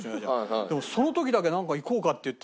でもその時だけなんか行こうかって言って。